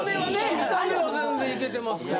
見た目は全然いけてますけど。